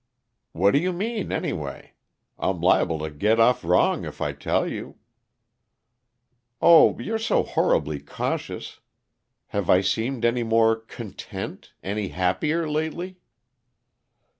"What do you mean, anyway? I'm liable to get off wrong if I tell you " "Oh, you're so horribly cautious! Have I seemed any more content any happier lately?"